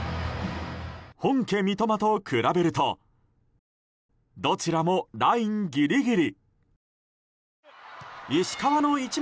本家・三笘と比べるとどちらもラインギリギリ。